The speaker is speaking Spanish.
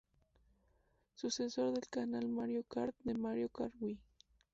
Sucesor del "Canal Mario Kart" de Mario Kart Wii.